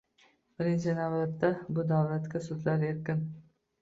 Birinchi navbatda bu davlatda sudlar erkin